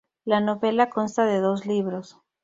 La novela consta de dos libros.